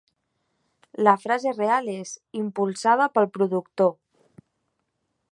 La frase real és "impulsada pel productor".